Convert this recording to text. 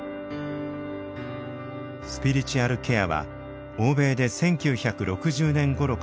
スピリチュアルケアは欧米で１９６０年ごろから普及。